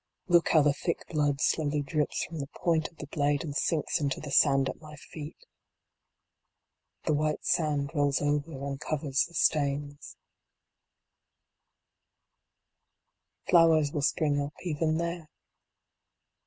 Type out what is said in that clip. Look how the thick blood slowly drips from the point of the blade and sinks into the sand at my feet The white sand rolls over and covers the stains. WHERE THE FLOCKS SHALL BE LED. 89 Flowers will spring up even there.